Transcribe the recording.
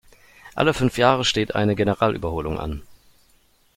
Alle fünf Jahre steht eine Generalüberholung an.